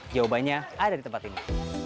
jawabannya ada di tempat ini